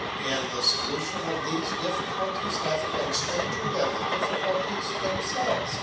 And the solution of these difficulties hath been stranger than the difficulties themselves.